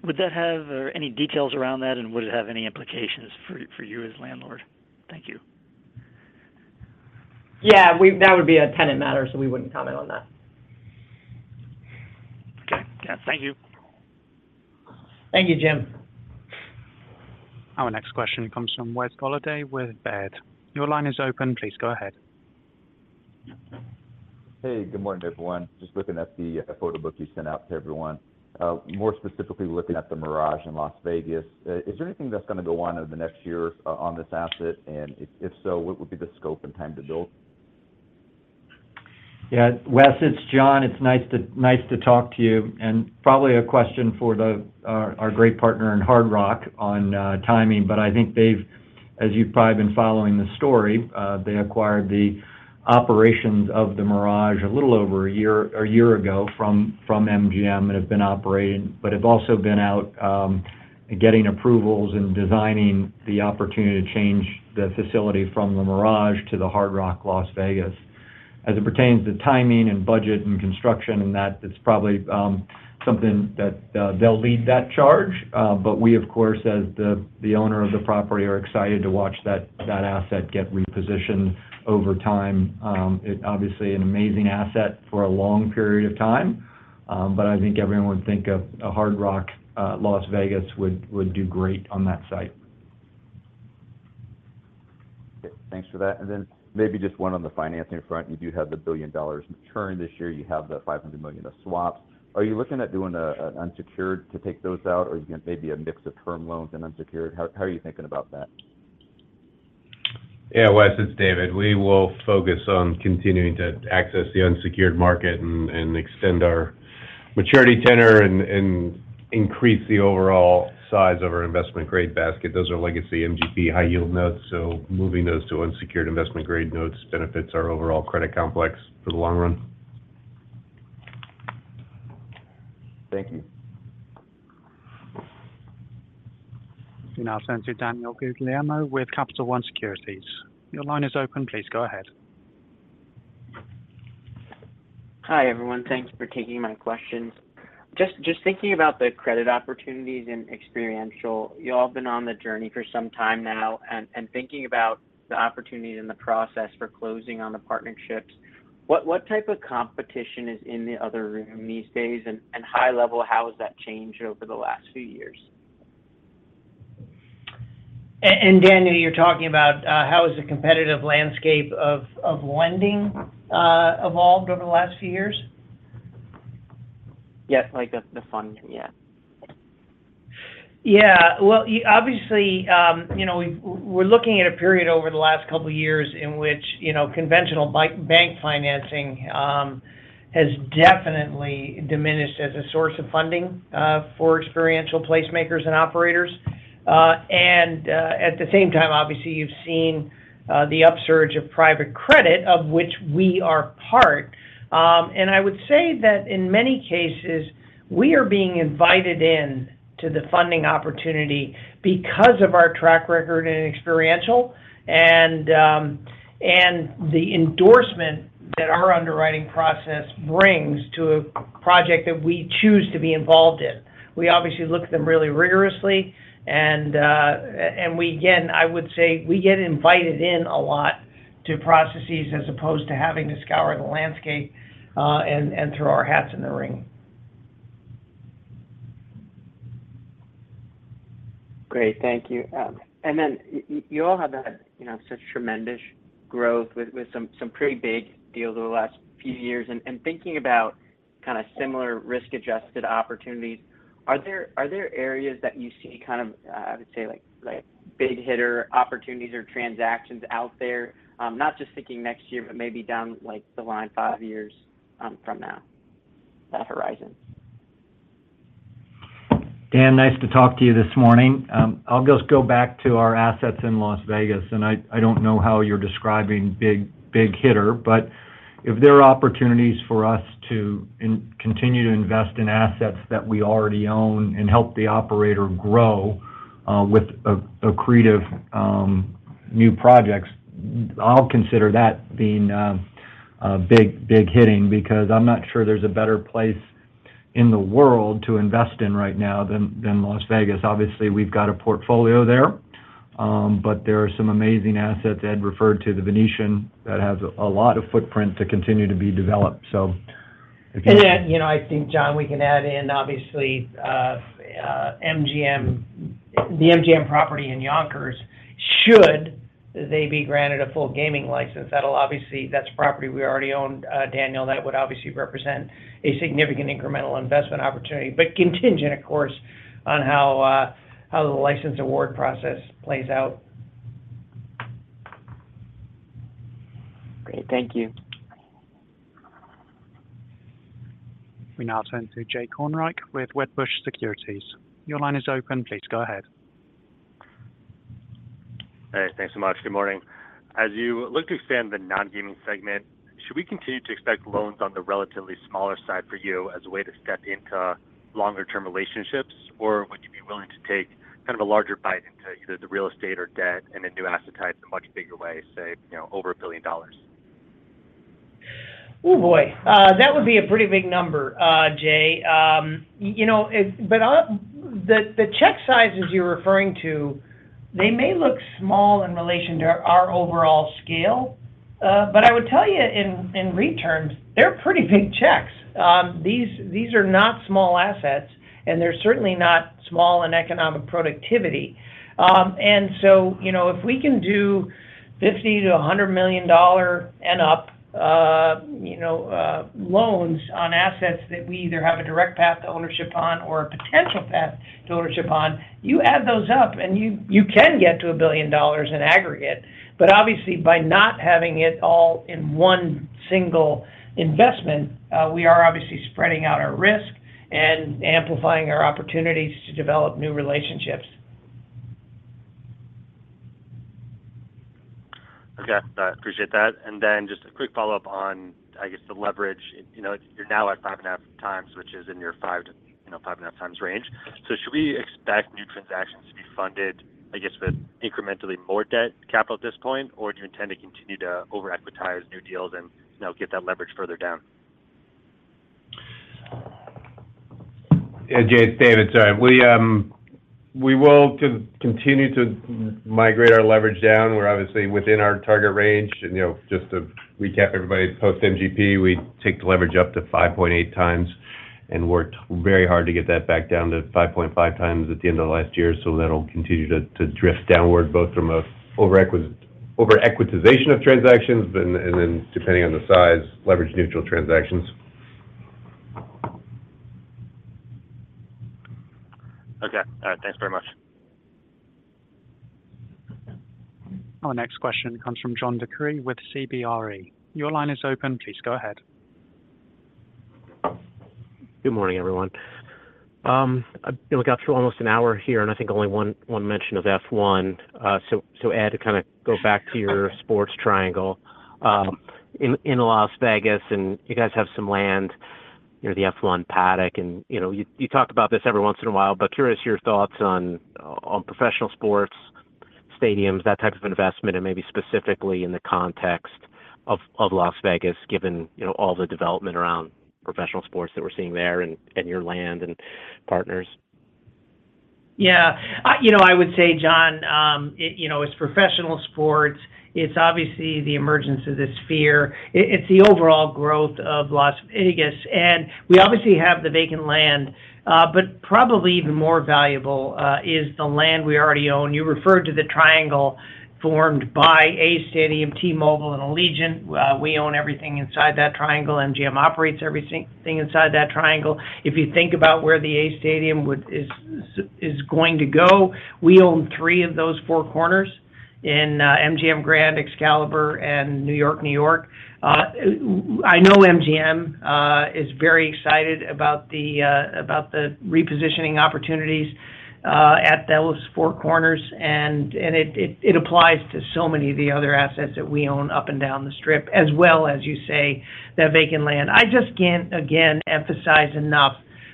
Speaker 14: would that have any details around that, and would it have any implications for you as landlord? Thank you.
Speaker 5: Yeah. That would be a tenant matter, so we wouldn't comment on that.
Speaker 14: Okay. Yeah. Thank you.
Speaker 3: Thank you, Jim.
Speaker 1: Our next question comes from Wes Golladay with Baird. Your line is open. Please go ahead.
Speaker 15: Hey. Good morning, everyone. Just looking at the photobook you sent out to everyone. More specifically, we're looking at the Mirage in Las Vegas. Is there anything that's going to go on over the next years on this asset? And if so, what would be the scope and time to build?
Speaker 4: Yeah. Wes, it's John. It's nice to talk to you. And probably a question for our great partner in Hard Rock on timing. But I think they've, as you've probably been following the story, they acquired the operations of the Mirage a little over a year ago from MGM and have been operating, but have also been out getting approvals and designing the opportunity to change the facility from the Mirage to the Hard Rock Las Vegas. As it pertains to timing and budget and construction and that, it's probably something that they'll lead that charge. But we, of course, as the owner of the property, are excited to watch that asset get repositioned over time. It's obviously an amazing asset for a long period of time. But I think everyone would think a Hard Rock Las Vegas would do great on that site.
Speaker 15: Okay. Thanks for that. And then maybe just one on the financing front. You do have the $1 billion maturing this year. You have the $500 million of swaps. Are you looking at doing an unsecured to take those out, or are you going to maybe a mix of term loans and unsecured? How are you thinking about that?
Speaker 5: Yeah. Wes, it's David. We will focus on continuing to access the unsecured market and extend our maturity tenor and increase the overall size of our investment-grade basket. Those are legacy MGP high-yield notes. So moving those to unsecured investment-grade notes benefits our overall credit complex for the long run.
Speaker 11: Thank you.
Speaker 1: Renata and then to Daniel Payne with Capital One Securities. Your line is open. Please go ahead.
Speaker 16: Hi, everyone. Thanks for taking my questions. Just thinking about the credit opportunities and experiential, you all have been on the journey for some time now. Thinking about the opportunities and the process for closing on the partnerships, what type of competition is in the other room these days? High level, how has that changed over the last few years?
Speaker 3: Daniel, you're talking about how has the competitive landscape of lending evolved over the last few years?
Speaker 16: Yes. The funding. Yeah.
Speaker 3: Yeah. Well, obviously, we're looking at a period over the last couple of years in which conventional bank financing has definitely diminished as a source of funding for experiential placemakers and operators. At the same time, obviously, you've seen the upsurge of private credit, of which we are part. I would say that in many cases, we are being invited into the funding opportunity because of our track record and experiential and the endorsement that our underwriting process brings to a project that we choose to be involved in. We obviously look at them really rigorously. Again, I would say we get invited in a lot to processes as opposed to having to scour the landscape and throw our hats in the ring.
Speaker 16: Great. Thank you. And then you all have had such tremendous growth with some pretty big deals over the last few years. And thinking about kind of similar risk-adjusted opportunities, are there areas that you see kind of, I would say, big-hitter opportunities or transactions out there? Not just thinking next year, but maybe down the line five years from now, that horizon.
Speaker 4: Dan, nice to talk to you this morning. I'll just go back to our assets in Las Vegas. I don't know how you're describing big-hitter, but if there are opportunities for us to continue to invest in assets that we already own and help the operator grow with accretive new projects, I'll consider that being a big hitting because I'm not sure there's a better place in the world to invest in right now than Las Vegas. Obviously, we've got a portfolio there, but there are some amazing assets. Ed referred to the Venetian that has a lot of footprint to continue to be developed. So if you.
Speaker 3: And then I think, John, we can add in, obviously, the MGM property in Yonkers. Should they be granted a full gaming license, that's property we already own, Daniel. That would obviously represent a significant incremental investment opportunity, but contingent, of course, on how the license award process plays out.
Speaker 16: Great. Thank you.
Speaker 1: Renata and then to Jay Kornreich with Wedbush Securities. Your line is open. Please go ahead.
Speaker 17: Hey. Thanks so much. Good morning. As you look to expand the non-gaming segment, should we continue to expect loans on the relatively smaller side for you as a way to step into longer-term relationships? Or would you be willing to take kind of a larger bite into either the real estate or debt and a new asset type in a much bigger way, say, over $1 billion?
Speaker 3: Ooh boy. That would be a pretty big number, Jay. But the check sizes you're referring to, they may look small in relation to our overall scale. But I would tell you, in returns, they're pretty big checks. These are not small assets, and they're certainly not small in economic productivity. And so if we can do $50 million-$100 million and up loans on assets that we either have a direct path to ownership on or a potential path to ownership on, you add those up, and you can get to $1 billion in aggregate. But obviously, by not having it all in one single investment, we are obviously spreading out our risk and amplifying our opportunities to develop new relationships.
Speaker 17: Okay. I appreciate that. And then just a quick follow-up on, I guess, the leverage. You're now at 5.5x, which is in your 5.5x range. So should we expect new transactions to be funded, I guess, with incrementally more debt capital at this point? Or do you intend to continue to over-equitize new deals and get that leverage further down?
Speaker 5: Yeah. David, sorry. We will continue to migrate our leverage down. We're obviously within our target range. And just to recap everybody, post-MGP, we take the leverage up to 5.8x. And worked very hard to get that back down to 5.5x at the end of the last year. So that'll continue to drift downward both from over-equitization of transactions and then, depending on the size, leverage-neutral transactions.
Speaker 17: Okay. All right. Thanks very much.
Speaker 1: Our next question comes from John DeCree with CBRE. Your line is open. Please go ahead.
Speaker 18: Good morning, everyone. We got through almost an hour here, and I think only one mention of F1. So Ed, to kind of go back to your sports triangle, in Las Vegas, and you guys have some land, the F1 paddock. And you talk about this every once in a while, but curious your thoughts on professional sports, stadiums, that type of investment, and maybe specifically in the context of Las Vegas, given all the development around professional sports that we're seeing there and your land and partners.
Speaker 3: Yeah. I would say, John, it's professional sports. It's obviously the emergence of this Sphere. It's the overall growth of Las Vegas. And we obviously have the vacant land. But probably even more valuable is the land we already own. You referred to the triangle formed by A's Stadium, T-Mobile, and Allegiant. We own everything inside that triangle. MGM operates everything inside that triangle. If you think about where the A's Stadium is going to go, we own three of those four corners in MGM Grand, Excalibur, and New York, New York. I know MGM is very excited about the repositioning opportunities at those four corners. And it applies to so many of the other assets that we own up and down the strip, as well as, you say, that vacant land. I just can't, again, emphasize enough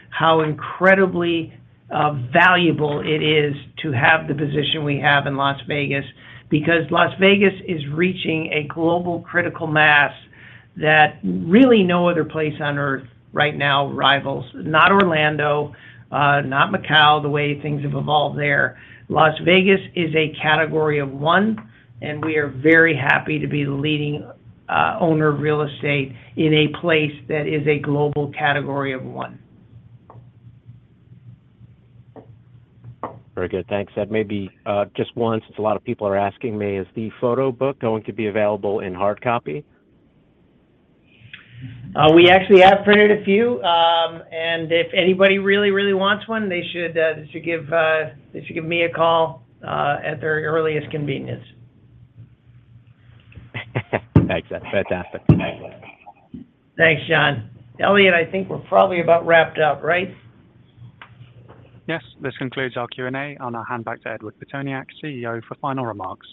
Speaker 3: how incredibly valuable it is to have the position we have in Las Vegas because Las Vegas is reaching a global critical mass that really no other place on Earth right now rivals, not Orlando, not Macau, the way things have evolved there. Las Vegas is a category of one, and we are very happy to be the leading owner of real estate in a place that is a global category of one.
Speaker 18: Very good. Thanks. Ed, maybe just one, since a lot of people are asking me, is the photobook going to be available in hard copy?
Speaker 3: We actually have printed a few. If anybody really, really wants one, they should give me a call at their earliest convenience.
Speaker 18: Thanks, Ed. Fantastic.
Speaker 3: Thanks, John. Elliot, I think we're probably about wrapped up, right?
Speaker 1: Yes. This concludes our Q&A. I'll now hand back to Edward Pitoniak, CEO, for final remarks.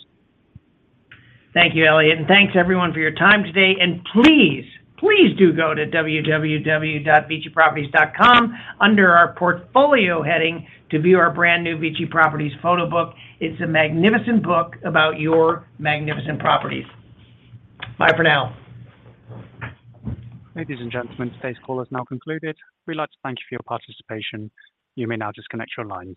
Speaker 3: Thank you, Elliot. Thanks, everyone, for your time today. Please, please do go to www.viciproperties.com under our portfolio heading to view our brand new VICI Properties photobook. It's a magnificent book about your magnificent properties. Bye for now.
Speaker 1: Ladies and gentlemen, today's call is now concluded. We'd like to thank you for your participation. You may now disconnect your lines.